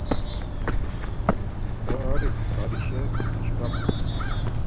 Poğari tzǩarişe gişvapuni?